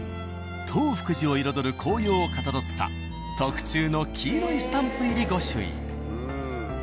東福寺を彩る紅葉をかたどった特注の黄色いスタンプ入り御朱印。